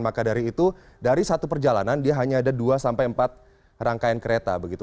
maka dari itu dari satu perjalanan dia hanya ada dua sampai empat rangkaian kereta begitu